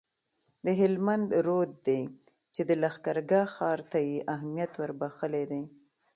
د هلمند رود دی چي د لښکرګاه ښار ته یې اهمیت وربخښلی دی